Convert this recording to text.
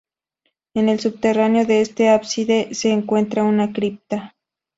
En el subterráneo de este ábside se encuentra una cripta.